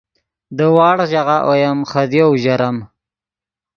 دے وڑغ ژاغہ اویم خدیو اوژرم